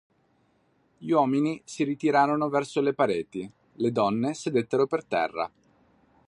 Gli uomini si ritirarono verso le pareti; le donne sedettero per terra.